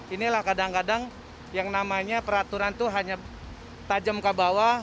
inilah kadang kadang yang namanya peraturan itu hanya tajam ke bawah